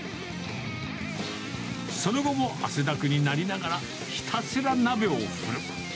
その後も汗だくになりながら、ひたすら鍋を振る。